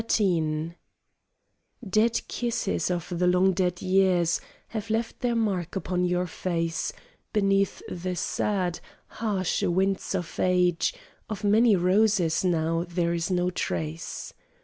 XIII Dead kisses of the long dead years Have left their mark upon your face, Beneath the sad, harsh winds of age Of many roses now there is no trace.